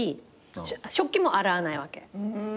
食器も洗わないわけ。